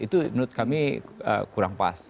itu menurut kami kurang pas